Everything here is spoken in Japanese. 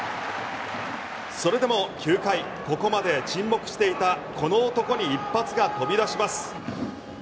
それでも９回ここまで沈黙していたこの男に一発が飛び出します。